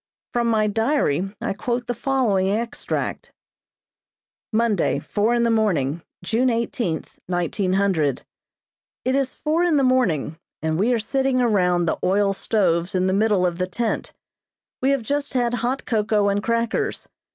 From my diary I quote the following extract: "Monday, four in the morning, June eighteenth, 1900. It is four in the morning and we are sitting around the oil stoves in the middle of the tent. We have just had hot cocoa and crackers.